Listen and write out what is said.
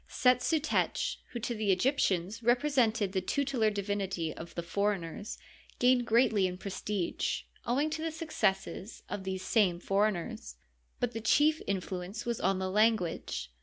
SeUSutech, who to the Egyptians represented the tutelar divinity of the foreigners, gained greatly in prestige, owing to the suc cesses of these same foreigners. But the chief influence was on the language.